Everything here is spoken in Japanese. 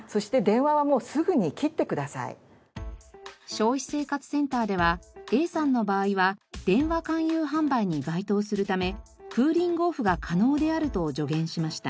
消費生活センターではＡさんの場合は電話勧誘販売に該当するためクーリング・オフが可能であると助言しました。